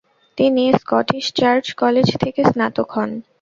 তিনি Scottish Church College থেকে স্নাতক হন।